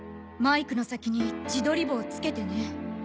マイクの先に自撮り棒を付けてね。